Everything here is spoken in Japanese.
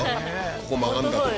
ここ曲がんだとか